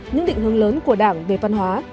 những định hướng lớn của đảng về văn hóa